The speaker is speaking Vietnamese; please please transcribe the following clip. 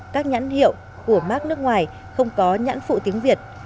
các nhãn hiệu của mark nước ngoài không có nhãn phụ tiếng việt